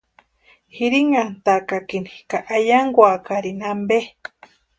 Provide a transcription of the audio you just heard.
Jirinantʼakakini ka eyankwakarini ampe.